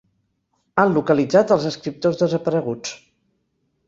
Han localitzat als escriptors desapareguts.